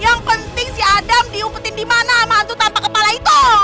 yang penting si adam diumpetin dimana sama hantu tanpa kepala itu